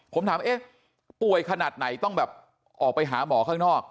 ผมถามเอ๊ะป่วยขนาดไหนต้องแบบออกไปหาหมอข้างนอก